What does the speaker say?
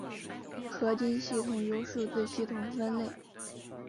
合金系统由数字系统分类。